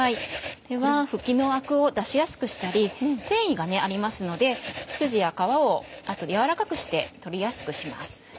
これはふきのアクを出しやすくしたり繊維がありますのでスジや皮を軟らかくして取りやすくします。